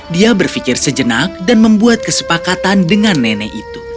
dia berpikir sejenak dan membuat kesepakatan dengan nenek itu